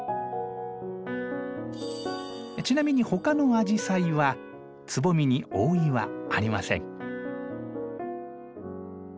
ちなみにほかのアジサイはつぼみに覆いはありません。